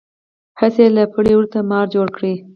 هسې یې له پړي ورته مار جوړ کړ.